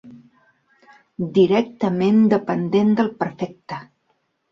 Directament dependent del prefecte.